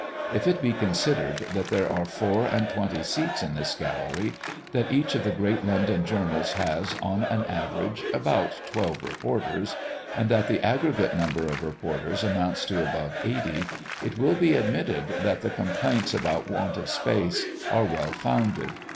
If it be considered that there are four and twenty seats in this gallery, that each of the great London journals has, on an average, about twelve reporters, and that the aggregate number of reporters amounts to above eighty, it will be admitted that the complaints about want of space are well founded.